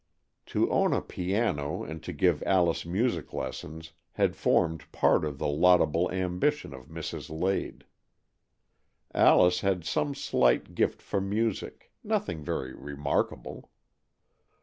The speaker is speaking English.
To own a piano and to give Alice music lessons had formed part of the laudable ambition of Mrs. Lade. Alice had some slight gift for music — nothing very remarkable.